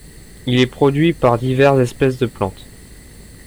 Il est produit par diverses espèces de plantes.